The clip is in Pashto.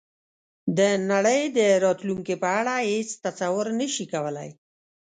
د نړۍ د راتلونکې په اړه هېڅ تصور نه شي کولای.